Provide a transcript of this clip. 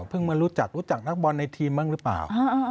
เพิ่งมารู้จักรู้จักนักบอลในทีมบ้างหรือเปล่า